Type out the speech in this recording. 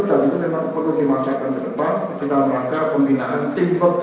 dan itu memang perlu dimaksikan ke depan dengan rangka pembinaan timbuk